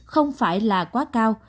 không phải là quá cao